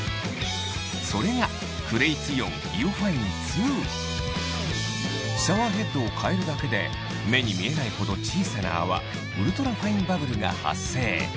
それがシャワーヘッドを変えるだけで目に見えないほど小さな泡ウルトラファインバブルが発生